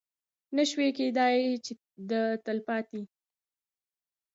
نه شوای کېدی چې د تلپاتې